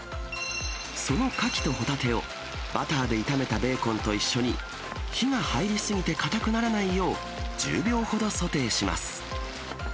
そのカキとホタテをバターで炒めたベーコンと一緒に、火が入り過ぎて硬くならないよう、１０秒ほどソテーします。